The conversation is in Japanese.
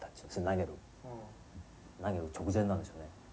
投げる投げる直前なんでしょうね。